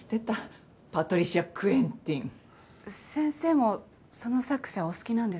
先生もその作者お好きなんですか？